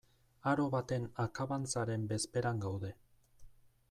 Aro baten akabantzaren bezperan gaude.